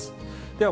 では